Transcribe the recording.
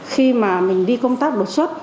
khi mà mình đi công tác đột xuất